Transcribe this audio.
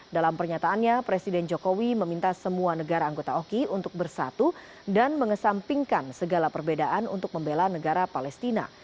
dalam pernyataannya presiden jokowi meminta semua negara anggota oki untuk bersatu dan mengesampingkan segala perbedaan untuk membela negara palestina